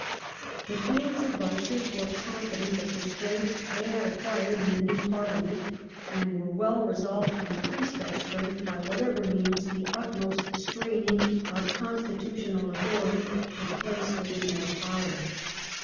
The Queen's advisers were confident of the strength they had acquired in the new Parlia ment, and were well resolved to increase that strength by whatever means the utmost straining of constitu tional authority could place within their power.